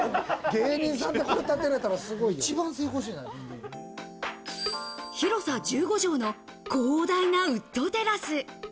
芸人さんで、これを建てられたら、すごい。広さ１５畳の広大なウッドテラス。